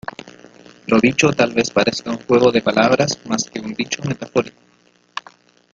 Lo dicho tal vez parezca un juego de palabras más que un dicho metafórico.